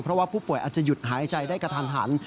เพราะว่าผู้ป่วยอาจจะหยุดหายใจได้กระทันหัน